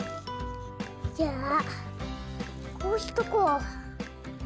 じゃあこうしとこう。